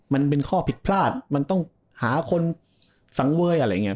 มันเป็นข้อผิดพลาดมันต้องหาคนสังเวยอะไรอย่างนี้